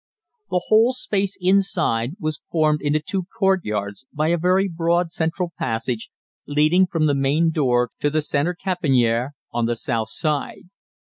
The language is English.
The whole space inside was formed into two courtyards by a very broad central passage leading from the main door to the center "caponnière" on the south side.